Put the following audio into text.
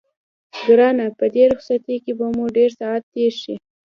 ګرانه په دې رخصتۍ کې به مو ډېر ساعت تېر شي.